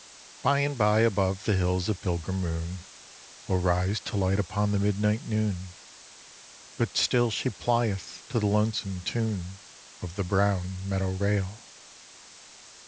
By'n by above the hills a pilgrim moon Will rise to light upon the midnight noon. But still she plieth to the lonesome tune Of the brown meadow rail.